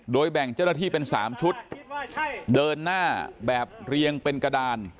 แบ่งเจ้าหน้าที่เป็น๓ชุดเดินหน้าแบบเรียงเป็นกระดาน